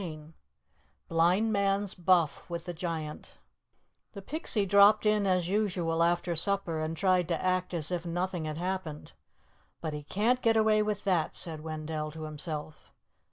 CHAPTER XII BLIND MAN'S BUFF WITH THE GIANT The Pixie dropped in as usual after supper, and tried to act as if nothing had happened; "but he can't get away with that," said Wendell to himself.